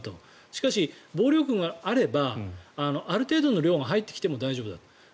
しかし、防御力があればある程度の量が入ってきても大丈夫だと。